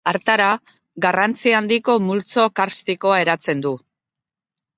Hartara, garrantzi handiko multzo karstikoa eratzen du.